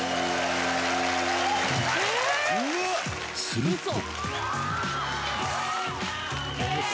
［すると］